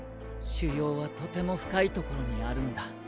腫瘍はとても深いところにあるんだ。